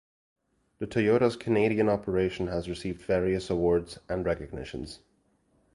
The Toyota's Canadian operation has received various awards and recognitions.